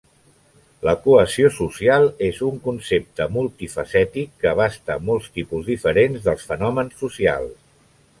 La cohesió social és un concepte multifacètic que abasta molts tipus diferents dels fenòmens socials.